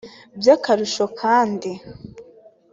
By’akarusho kandi